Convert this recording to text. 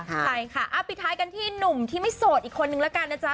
ไปค่ะอัพพิท้ายกันที่หนุ่มที่ไม่โสดอีกคนนึงแล้วกันนะจ๊ะ